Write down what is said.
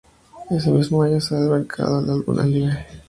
Ese mismo año sale al mercado el álbum "Alive".